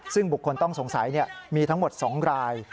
ซึ่งบุคคลต้องสงสัยมีทั้งหมด๒ราย